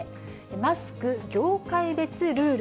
マスク業界別ルール。